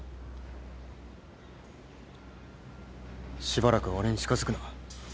しばらく俺に近づくな。